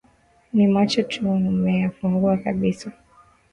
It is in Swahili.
Na macho tumeyafungua kabisa